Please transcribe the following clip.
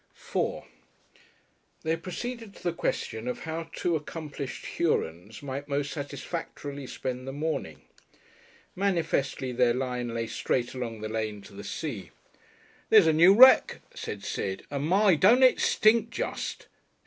§4 They proceeded to the question of how two accomplished Hurons might most satisfactorily spend the morning. Manifestly their line lay straight along the lane to the sea. "There's a new wreck," said Sid, "and my! don't it smell just!"